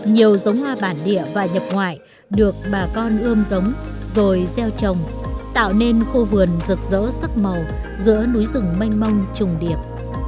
nhiều giống hoa bản địa và nhập ngoại được bà con ươm giống rồi gieo trồng tạo nên khu vườn rực rỡ sắc màu giữa núi rừng mênh mông trùng điệp